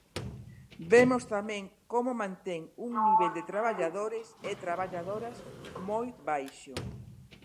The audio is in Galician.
Vemos tamén como mantén un nivel de traballadores e traballadoras moi baixo.